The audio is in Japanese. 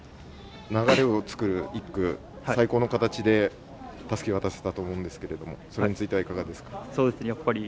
流れを作る１区、最高の形でたすきを渡せたと思うんですけど、それについては、いかがですか？